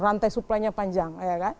rantai suplainya panjang